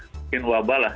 mungkin wabah lah